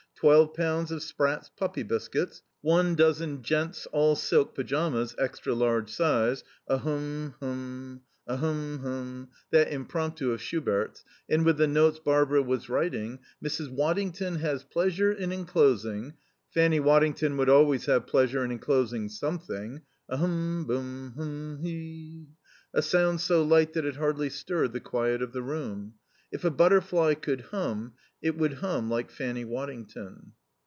Twelve pounds of Spratt's puppy biscuits. One dozen gent.'s all silk pyjamas, extra large size" ... "A hoom hoom, a hoom hoom" (that Impromptu of Schubert's), and with the notes Barbara was writing: "Mrs. Waddington has pleasure in enclosing...." Fanny Waddington would always have pleasure in enclosing something.... "A ho om boom, hoom, hee." A sound so light that it hardly stirred the quiet of the room. If a butterfly could hum it would hum like Fanny Waddington.